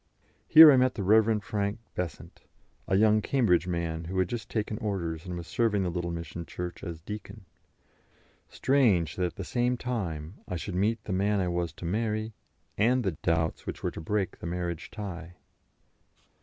Here I met the Rev. Frank Besant, a young Cambridge man, who had just taken orders, and was serving the little mission church as deacon; strange that at the same time I should meet the man I was to marry, and the doubts which were to break the marriage tie.